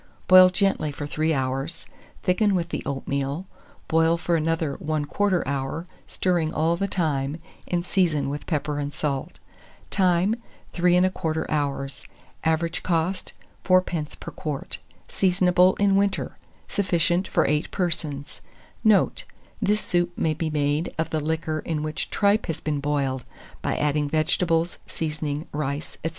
Boil gently for 3 hours; thicken with the oatmeal, boil for another 1/4 hour, stirring all the time, and season with pepper and salt. Time. 3 1/4 hours. Average cost, 4d. per quart. Seasonable in winter. Sufficient for 8 persons. Note. This soup may be made of the liquor in which tripe has been boiled, by adding vegetables, seasoning, rice, &c.